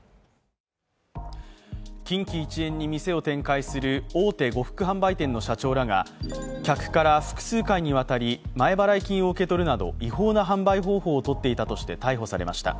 近畿一円に店を展開する大手呉服販売店の社長らが客から複数回にわたり前払い金を受け取るなど違法な販売方法をとっていたとして逮捕されました。